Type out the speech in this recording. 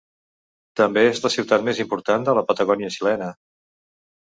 També és la ciutat més important de la Patagònia xilena.